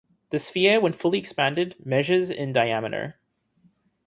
The sphere, when fully expanded, measures in diameter.